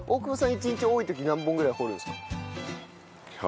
１日多い時何本ぐらい掘るんですか？